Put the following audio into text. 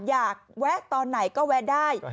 แวะตอนไหนก็แวะได้